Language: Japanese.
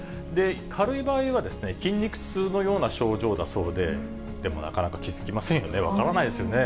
軽い場合は筋肉痛のような症状だそうで、でもなかなか気付きませんよね、分からないですよね。